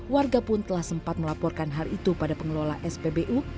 warga pun telah sempat melaporkan hal itu pada pengelola spbu